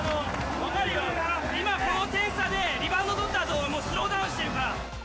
分かるよ、今この点差で、リバウンド取ったあと、もうスローダウンしてるから。